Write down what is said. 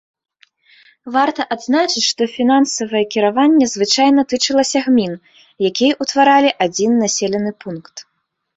Варта адзначыць, што фінансавае кіраванне звычайна тычылася гмін, якія ўтваралі адзін населены пункт.